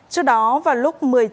trước đó vào lúc